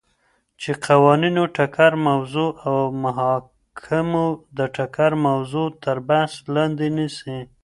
چی قوانینو ټکر موضوع او محاکمو د ټکر موضوع تر بحث لاندی نیسی ،